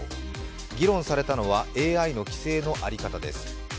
議論されたのは、ＡＩの規制の在り方です。